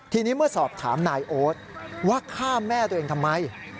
ทีนี้เมื่อสอบถามนายโอ๊ตว่าฆ่าแม่ตัวเองทำไม